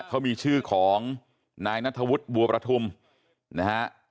เขามีชื่อของนายนัทธวุฒิบัวประทุมนะฮะ